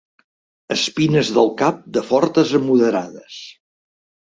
Espines del cap de fortes a moderades.